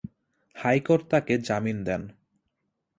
High court তাকে জামিন দেন।